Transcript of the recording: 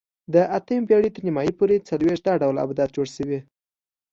د اتمې پېړۍ تر نیمایي پورې څلوېښت دا ډول آبدات جوړ شوي